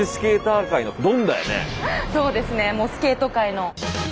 そうですねもうスケート界の。